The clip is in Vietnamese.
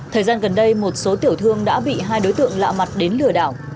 thời gian gần đây một số tiểu thương đã bị hai đối tượng lạ mặt đến lừa đảo